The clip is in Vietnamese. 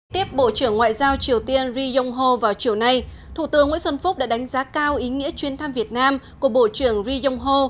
tiếp bộ trưởng ngoại giao triều tiên ri yong ho vào chiều nay thủ tướng nguyễn xuân phúc đã đánh giá cao ý nghĩa chuyên thăm việt nam của bộ trưởng ri yong ho